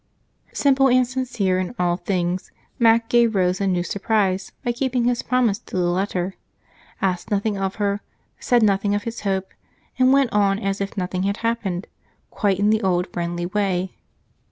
Simple and sincere in all things, Mac gave Rose a new surprise by keeping his promise to the letter asked nothing of her, said nothing of his hope, and went on as if nothing had happened, quite in the old friendly way.